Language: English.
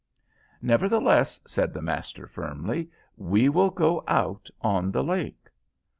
"Nevertheless," said the master, firmly, "we will go out on the lake."